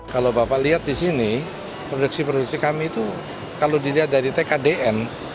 kalau bapak lihat di sini produksi produksi kami itu kalau dilihat dari tkdn